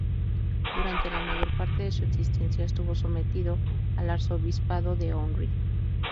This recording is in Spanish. Durante la mayor parte de su existencia, estuvo sometido al arzobispado de Ohrid.